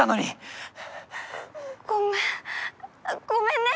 ごめんごめんね！